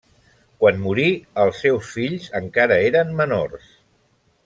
Quan morí els seus fills encara eren menors.